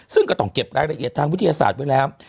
ซึ่งก็ต้องเก็บรายละเอียดทางวิทยาศาสตร์ไว้แล้ว